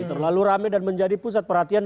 terlalu rame dan menjadi pusat perhatian